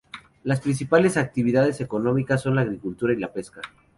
Las principales actividades económicas son la agricultura y la pesca.